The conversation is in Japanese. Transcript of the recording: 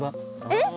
えっ？